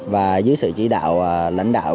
và dưới sự chỉ đạo lãnh đạo